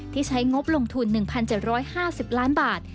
ใช้งบลงทุน๑๗๕๐ล้านบาท